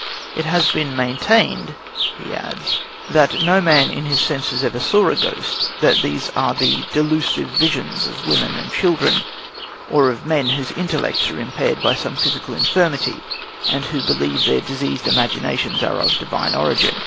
"It has been maintained," he adds, "that no man in his senses ever saw a ghost: that these are the delusive visions of women and children, or of men whose intellects are impaired by some physical infirmity, and who believe that their diseased imaginations are of divine origin.